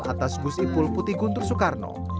atas gus ipul putih guntur soekarno